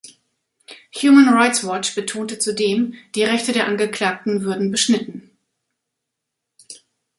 Human Rights Watch betonte zudem, die Rechte der Angeklagten würden beschnitten.